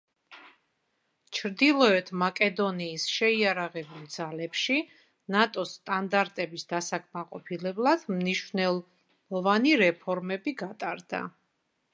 ჩრდილოეთ მაკედონიის შეიარაღებულ ძალებში „ნატოს“ სტანდარტების დასაკმაყოფილებლად მნიშვნელობანი რეფორმები გატარდა.